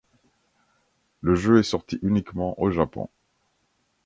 Le jeu est sorti uniquement au Japon.